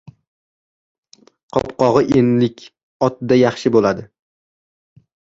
Qopqog‘i enlik ot-da yaxshi bo‘ladi.